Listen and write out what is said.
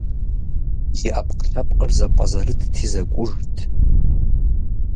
И Ӏэпкълъэпкъыр зэпӀэзэрытти, зэкӀужт.